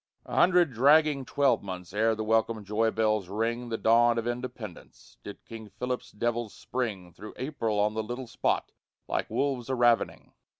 A hundred dragging twelvemonths ere the welcome joy bells ring The dawn of Independence did King Philip's devils spring Through April on the little spot, like wolves a ravening.